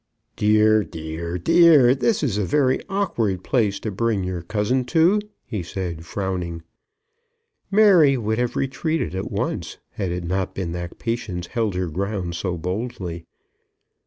"Dear, dear, dear; this is a very awkward place to bring your cousin to," he said, frowning. Mary would have retreated at once had it not been that Patience held her ground so boldly.